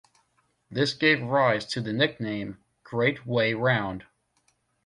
This gave rise to the nickname 'Great Way Round'.